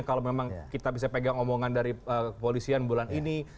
kalau memang kita bisa pegang omongan dari kepolisian bulan ini